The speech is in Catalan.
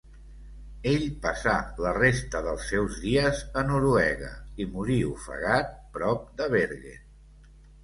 El passà la resta dels seus dies a Noruega i morí ofegat prop de Bergen.